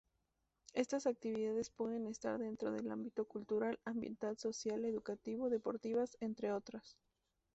Estas actividades pueden estar dentro del ámbito cultural, ambiental, social, educativo, deportivas, entre otras.